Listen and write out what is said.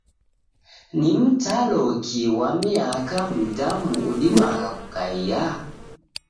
Ni mtaloki ghwa miaka mdamu udimagha kukaia?